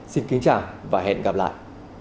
xin kính chào và hẹn gặp lại